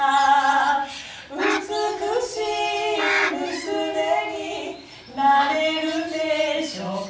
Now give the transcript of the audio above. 「美しい娘になれるでしょうか」